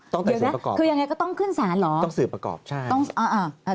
ต้องแต่สืบประกอบต้องสืบประกอบใช่อย่างไรก็ต้องขึ้นศาลเหรอ